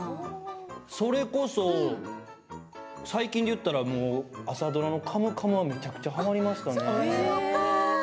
それこそ最近で言ったら朝ドラの「カムカムエヴリバディ」はめちゃくちゃはまりましたね。